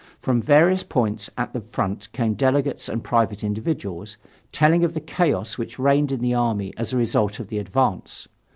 From various points at the front came delegates and private individuals, telling of the chaos which reigned in the army as a result of the advance.